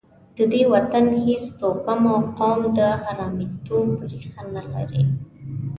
د دې وطن هېڅ توکم او قوم د حرامیتوب ریښه نه لري.